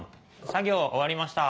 作業終わりました。